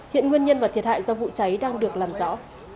hiện nguyên nhân và thiệt hại do vụ cháy đang được làm rõ